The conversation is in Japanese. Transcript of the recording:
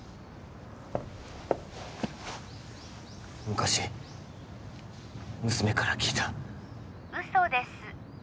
昔娘から聞いた嘘です